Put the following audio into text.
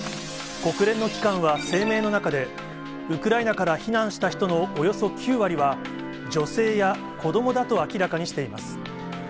国連の機関は声明の中で、ウクライナから避難した人のおよそ９割は、女性や子どもだと明らかにしています。